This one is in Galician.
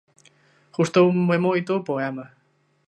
Gustoume moito o poema.